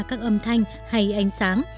các âm thanh hay ánh sáng